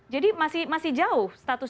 jadi masih jauh status